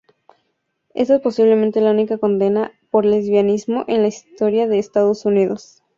Esta es posiblemente la única condena por lesbianismo en la historia de Estados Unidos.